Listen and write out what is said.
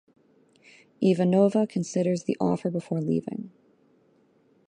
Ivanova considers the offer before leaving.